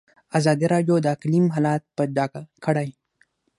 ازادي راډیو د اقلیم حالت په ډاګه کړی.